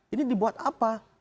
ini dibuat apa